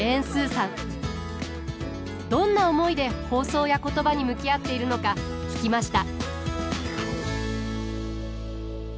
どんな思いで放送や言葉に向き合っているのか聞きました。